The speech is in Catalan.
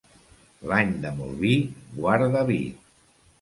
L'any de molt vi, guarda vi.